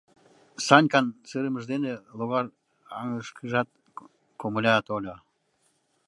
Санькан сырымыж дене логар аҥышкыжат комыля тольо.